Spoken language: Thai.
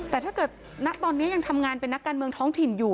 แต่ถ้าเกิดณตอนนี้ยังทำงานเป็นนักการเมืองท้องถิ่นอยู่